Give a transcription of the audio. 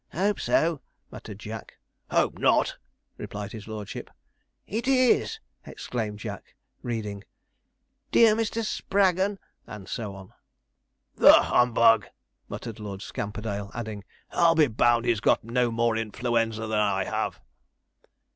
'Hope so,' muttered Jack. 'Hope not,' replied his lordship. 'It is!' exclaimed Jack, reading, 'Dear Mr. Spraggon,' and so on. 'The humbug!' muttered Lord Scamperdale, adding, 'I'll be bound he's got no more influenza than I have.'